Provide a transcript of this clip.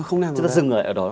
không làm điều đó